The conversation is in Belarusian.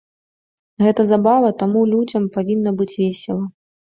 Гэта забава, таму людзям павінна быць весела.